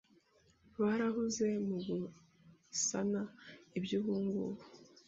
Barahuze mugusana ibyo ubungubu.